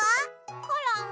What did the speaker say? コロンは。